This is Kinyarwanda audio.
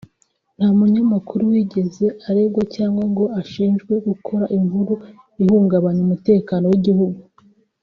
nta munyamakuru wigeze aregwa cyangwa ngo ashinjwe gukora inkuru ihungabanya umutekano w’igihugu